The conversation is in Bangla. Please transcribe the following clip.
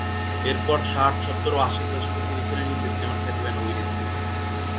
এরপর ষাট, সত্তর ও আশির দশকে তিনি ছিলেন হিন্দি সিনেমার খ্যাতিমান অভিনেত্রী।